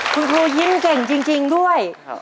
คุณครูยิ้มเก่งจริงด้วย